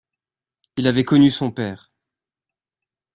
Il avait connu son père.